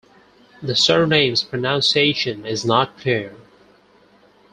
The surname's pronunciation is not clear.